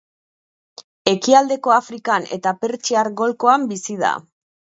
Ekialdeko Afrikan eta Pertsiar golkoan bizi da.